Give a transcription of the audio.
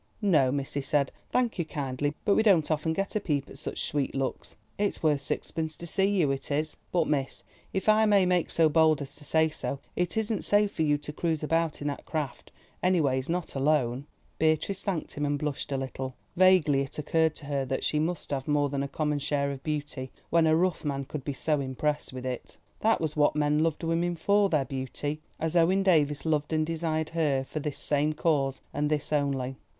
"No, miss," he said, "thanking you kindly—but we don't often get a peep at such sweet looks. It's worth sixpence to see you, it is. But, miss, if I may make so bold as to say so, it isn't safe for you to cruise about in that craft, any ways not alone." Beatrice thanked him and blushed a little. Vaguely it occurred to her that she must have more than a common share of beauty, when a rough man could be so impressed with it. That was what men loved women for, their beauty, as Owen Davies loved and desired her for this same cause and this only.